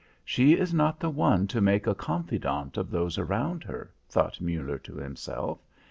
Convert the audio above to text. "She is not the one to make a confidant of those around her," thought Muller to himself.